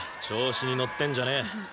調子に乗ってんじゃねえ。